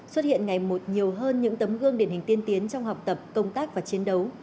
xuất hiện ngày một nhiều hơn những tấm gương điển hình tiên tiến trong học tập công tác và chiến đấu